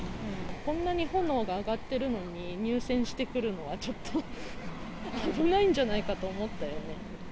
こんなに炎が上がってるのに入線してくるのは、ちょっと危ないんじゃないかと思ったよね。